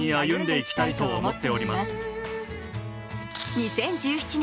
２０１７年